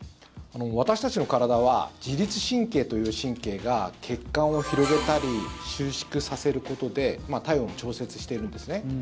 私たちの体は自律神経という神経が血管を広げたり収縮させることで体温を調節しているんですね。